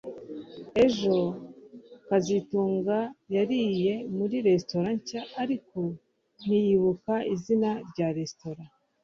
Ejo kazitunga yariye muri resitora nshya ariko ntiyibuka izina rya resitora